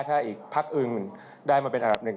ถ้าอีกพักอื่นได้มาเป็นอันดับหนึ่ง